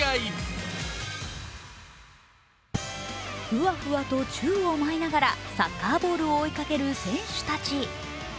ふわふわと宙を舞いながらサッカーボールを追いかける選手たち。